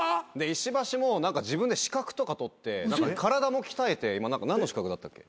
石橋も自分で資格とか取って体も鍛えて何の資格だったっけ？